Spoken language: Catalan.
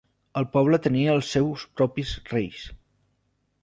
El poble tenia els seus propis reis.